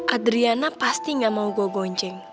adriana pasti gak mau gue gonceng